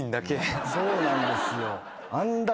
そうなんですよ。